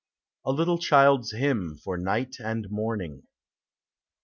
A LITTLE CHILD'S IIYJSIN. FOR NIGHT AND MORNING.